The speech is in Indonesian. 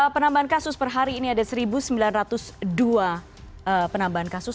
penambahan kasus per hari ini ada satu sembilan ratus dua penambahan kasus